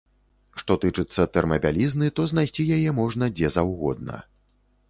Што тычыцца тэрмабялізны, то знайсці яе можна дзе заўгодна.